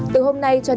từ hôm nay cho đến